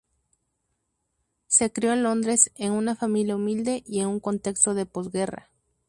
Se crió en Londres, en una familia humilde y en un contexto de posguerra.